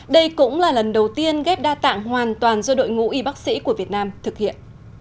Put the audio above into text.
đây cũng là lần đầu tiên ghép đa tạng hoàn toàn do đội ngũ y bác sĩ của việt nam thực hiện